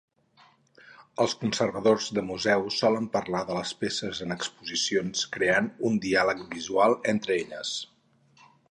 Els conservadors de museus solen parlar de les peces en exposicions creant "un diàleg visual" entre elles.